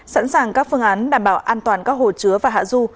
sẵn sàng các phương án đảm bảo an toàn các hồ chứa và hạ du